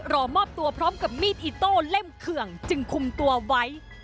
รอมอบตัวพร้อมกับมีดอิโต้เล่มเขื่องจึงคุมตัวไว้